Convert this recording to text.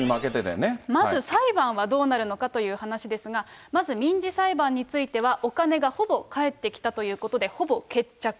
まず裁判はどうなるのかという話ですが、まず民事裁判については、お金がほぼ返ってきたということで、ほぼ決着。